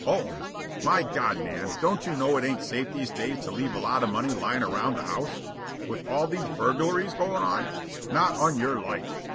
"Home? My God, man, don't you know it ain't safe these days to have a lot of money around the house? With all these burglaries going on? Not on your life.